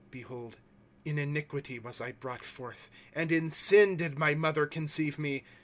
^ Behold, in iniquity was I brought forth, And in sin did my mother conceive rae.